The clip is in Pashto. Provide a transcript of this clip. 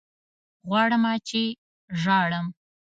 غواړمه چې ژاړم